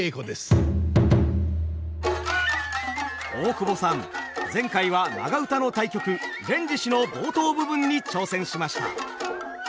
大久保さん前回は長唄の大曲「連獅子」の冒頭部分に挑戦しました。